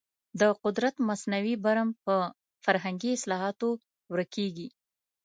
د قدرت مصنوعي برم په فرهنګي اصلاحاتو ورکېږي.